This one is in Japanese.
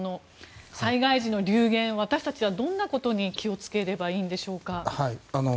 災害時の流言私たちはどんなことに気を付ければいいんでしょうか。